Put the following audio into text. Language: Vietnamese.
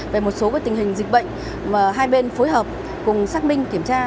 về một số tình hình dịch bệnh mà hai bên phối hợp cùng xác minh kiểm tra